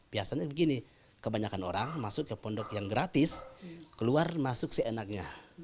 biasanya begini kebanyakan orang masuk ke pondok yang gratis keluar masuk seenaknya